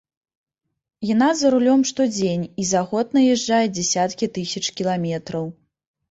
Яна за рулём штодзень, і за год наязджае дзясяткі тысяч кіламетраў.